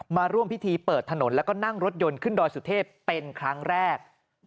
มาร่วมพิธีเปิดถนนแล้วก็นั่งรถยนต์ขึ้นดอยสุเทพเป็นครั้งแรก